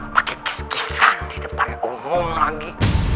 pake kis kisan di depan umum lagi